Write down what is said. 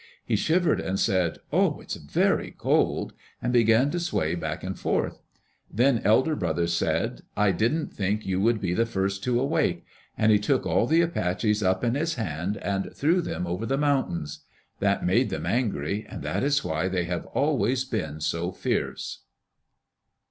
He shivered and said, "Oh, it's very cold," and began to sway back and forth. Then Elder Brother said, "I did n't think you would be the first to awake," and he took all the Apaches up in his hand and threw them over the mountains. That made them angry, and that is why they have always been so fierce.